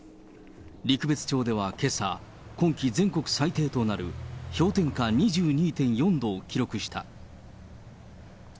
陸別町ではけさ、今季全国最低となる氷点下２２．４度を記録した。